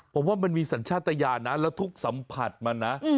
ผมว่ามันมีสัญชาตยานและทุกสัมผัสมัน